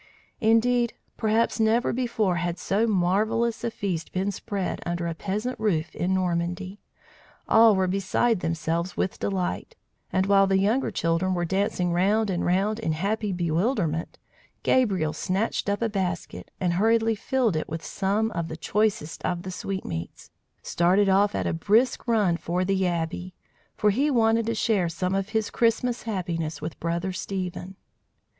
Indeed, perhaps never before had so marvellous a feast been spread under a peasant roof in Normandy! All were beside themselves with delight; and while the younger children were dancing round and round in happy bewilderment, Gabriel snatched up a basket, and hurriedly filling it with some of the choicest of the sweetmeats, started off at a brisk run for the Abbey; for he wanted to share some of his Christmas happiness with Brother Stephen.